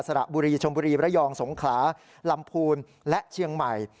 ระบุรีชมบุรีระยองสงขลาลำพูนและเชียงใหม่